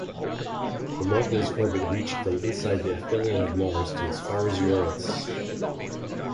Damocles's orbit reached from inside the aphelion of Mars to as far as Uranus.